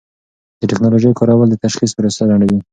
د ټېکنالوژۍ کارول د تشخیص پروسه لنډوي.